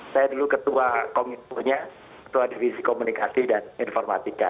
saya dulu ketua kominfonya ketua divisi komunikasi dan informatika